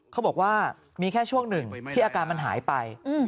เขาบอกว่ามีแค่ช่วงหนึ่งที่อาการมันหายไป